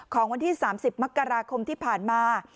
ของวันที่๓๐มกราคมที่ผ่านมา